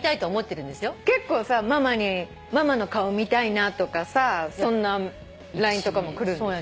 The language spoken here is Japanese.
結構さママに「ママの顔見たいな」とかさそんなＬＩＮＥとかも来るんでしょ？